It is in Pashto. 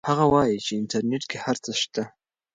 هغه وایي چې انټرنیټ کې هر څه شته.